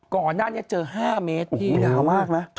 วนั่งนี้เจลอันนี้เจอ๕เมตร